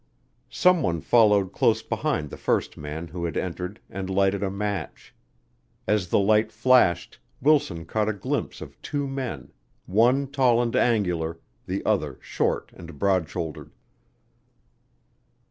Someone followed close behind the first man who had entered and lighted a match. As the light flashed, Wilson caught a glimpse of two men; one tall and angular, the other short and broad shouldered.